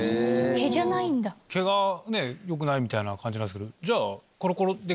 毛がねよくないみたいな感じなんすけど。